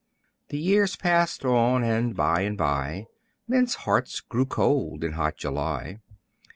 The years passed on, and by and by, Men's hearts grew cold in hot July.